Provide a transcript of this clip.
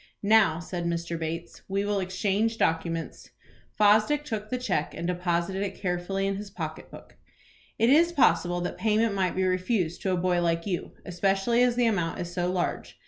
"Now," said Mr. Bates, "we will exchange documents." Fosdick took the cheque, and deposited it carefully in his pocket book. "It is possible that payment might be refused to a boy like you, especially as the amount is so large.